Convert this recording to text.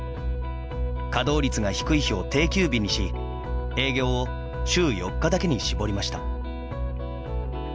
稼働率が低い日を定休日にし営業を週４日だけに絞りました。